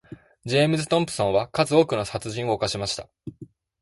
ジェームズトムプソンは数多くの殺人を犯しました。